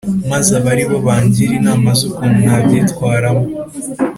maze aba ari bo bangira inama z’ukuntu nabyitwaramo